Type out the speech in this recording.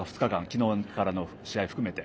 昨日からの試合を含めて。